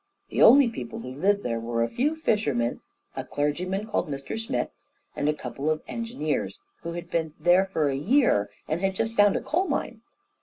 The only people who lived there were a few fishermen, a clergyman called Mr Smith, and a couple of engineers, who had been there for a year and had just found a coal mine.